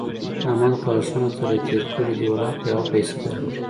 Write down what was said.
احمد غاښونه تر له تېر کړي دي؛ ولاکه يوه پيسه در کړي.